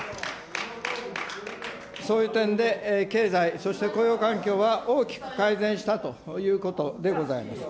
そういう点で、経済、そして雇用環境は大きく改善したということでございます。